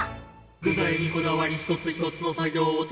「具材にこだわり一つ一つの作業をていねいに」